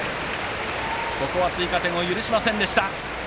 ここは追加点を許しませんでした。